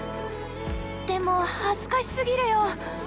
でも恥ずかしすぎるよ！